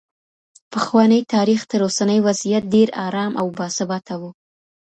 پخوانی تاریخ تر اوسني وضعیت ډېر ارام او باثباته و.